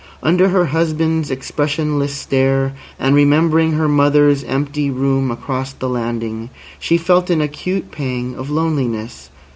Under her husband's expressionless stare, and remembering her mother's empty room across the landing, she felt an acute pang of loneliness.